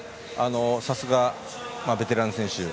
さすがベテラン選手。